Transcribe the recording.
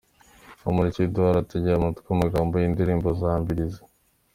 Bamporiki Edouard ataegeye amatwi amagambo y'indirimbo za Mibirizi.